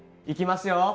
いきますよ